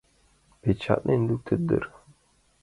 Печатлен луктыт дыр.